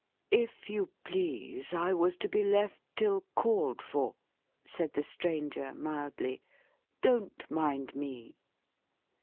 "If you please, I was to be left till called for," said the Stranger, mildly. "Don't mind me."